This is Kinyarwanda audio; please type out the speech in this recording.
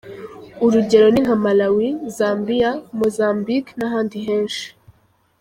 Urugero ni nka Malawi, Zambiya, Mozambique n’ahandi henshi…